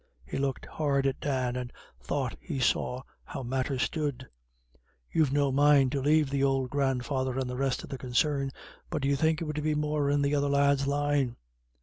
He looked hard at Dan, and thought he saw how matters stood, "You've no mind to leave the old grandfather and the rest of the concern, but you think it would be more in the other lad's line."